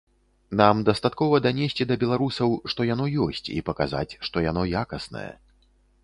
Нам дастаткова данесці да беларусаў, што яно ёсць і паказаць, што яно якаснае.